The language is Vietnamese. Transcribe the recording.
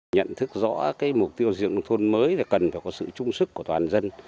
nhận thức rõ mục tiêu diện nông thôn mới cần phải có sự trung sức của toàn dân